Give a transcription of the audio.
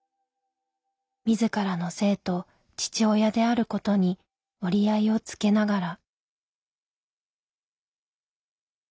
自らの性と父親であることに折り合いをつけながら。